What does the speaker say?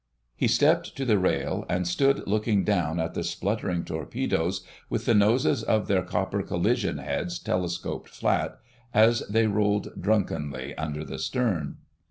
He stepped to the rail, and stood looking down at the spluttering torpedoes with the noses of their copper collision heads telescoped flat, as they rolled drunkenly under the stern.